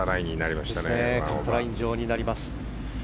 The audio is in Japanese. またカットライン上になります。